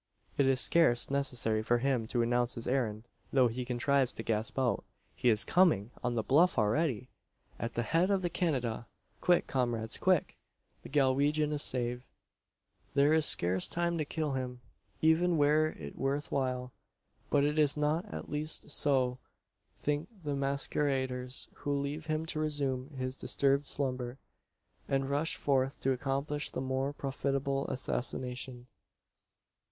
It is scarce necessary for him to announce his errand, though he contrives to gasp out "He is coming on the bluff already at the head of the canada quick, comrades, quick!" The Galwegian is saved. There is scarce time to kill him even were it worth while. But it is not at least so think the masqueraders; who leave him to resume his disturbed slumber, and rush forth to accomplish the more profitable assassination.